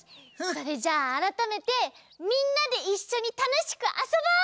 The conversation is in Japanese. それじゃああらためてみんなでいっしょにたのしくあそぼう！